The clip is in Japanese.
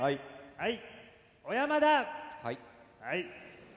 はい。